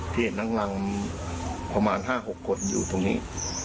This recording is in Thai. ที่เห็นนักรังประมาณ๕๖คนอยู่ตรงนี้